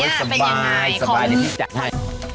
เป็นอย่างไรขอมีโอ้ยสบายสบายเลยพี่จัดให้